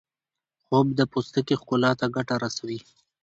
خوب د پوستکي ښکلا ته ګټه رسوي